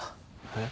えっ？